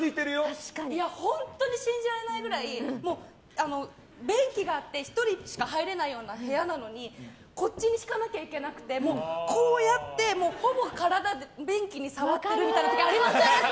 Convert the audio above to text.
本当に信じられないぐらい便器があって１人しか入れないような部屋なのにこっち向きにしか行けなくてこうやって、ほぼ体便器に触ってるみたいな時ありません？